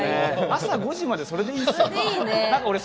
朝５時まで、それでいいですよ。